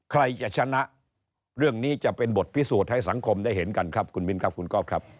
ใครจะชนะเรื่องนี้จะเป็นบทพิสูจน์ให้สังคมได้เห็นกันครับ